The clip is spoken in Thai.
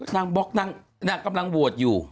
นางบ๊อกนางกำลังโหวดอยู่